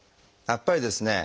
やっぱりですね